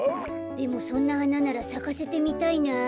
でもそんなはなならさかせてみたいなあ。